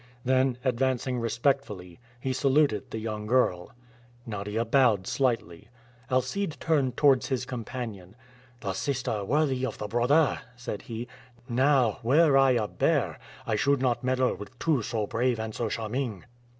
Then advancing respectfully, he saluted the young girl. Nadia bowed slightly. Alcide turned towards his companion. "The sister worthy of the brother!" said he. "Now, were I a bear, I should not meddle with two so brave and so charming."